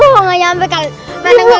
gak nyampe kan